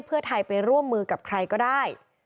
ระยกแม่งสามารถทุกคนจะร่วมมือกับใครก็ได้